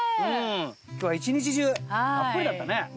今日は一日中たっぷりだったね。